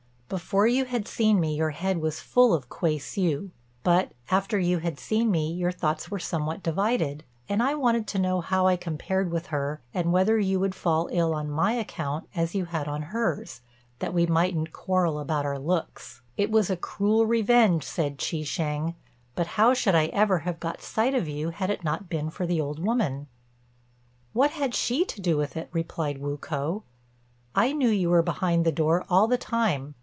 "Before you had seen me, your head was full of Kuei hsiu; but after you had seen me, your thoughts were somewhat divided; and I wanted to know how I compared with her, and whether you would fall ill on my account as you had on hers, that we mightn't quarrel about our looks." "It was a cruel revenge," said Chi shêng; "but how should I ever have got a sight of you had it not been for the old woman?" "What had she to do with it?" replied Wu k'o; "I knew you were behind the door all the time.